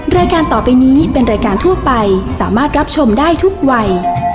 รายการต่อไปนี้เป็นรายการทั่วไปสามารถรับชมได้ทุกวัย